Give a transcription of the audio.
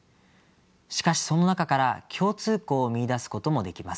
しかしその中から共通項を見いだすこともできます。